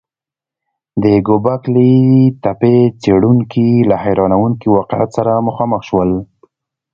د ګوبک لي تپې څېړونکي له حیرانوونکي واقعیت سره مخامخ شول.